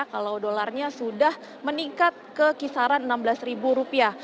kalau dolarnya sudah meningkat ke kisaran enam belas rupiah